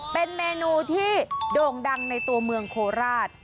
เป็นเมนูที่โด่งดังในตัวเมืองโคราช